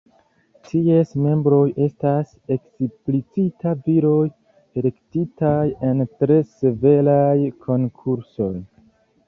Ties membroj estas eksplicite viroj, elektitaj en tre severaj konkursoj.